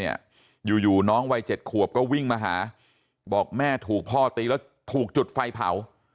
อยู่น้องวัย๗ขวบก็วิ่งมาหาบอกแม่ถูกพ่อตีแล้วถูกจุดไฟเผา